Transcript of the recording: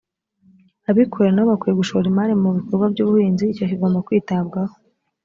abikorera nabo bakwiye gushora imari mu bikorwa by’ ubuhinzi icyo kigo kigomba kwitabwaho